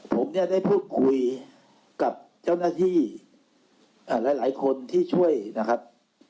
ผมเนี่ยได้พูดคุยกับเจ้าหน้าที่หลายคนที่ช่วยนะครับ